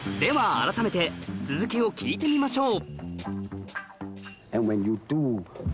改めて続きを聞いてみましょう